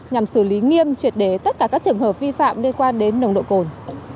nhằm xử lý nghiêm truyệt đế tất cả các trường hợp vi phạm liên quan đến nồng độ cồn